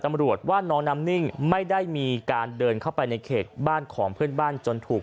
ตำรวจว่าน้องน้ำนิ่งไม่ได้มีการเดินเข้าไปในเขตบ้านของเพื่อนบ้านจนถูก